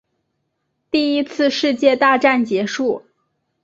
第一次世界大战结束